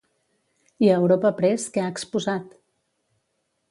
I a Europa Press què ha exposat?